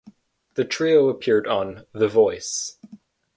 The trio appeared on "The Voice".